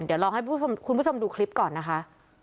เดี๋ยวลองให้คุณผู้ชมดูคลิปก่อนนะคะ